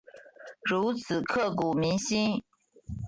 如此刻骨铭心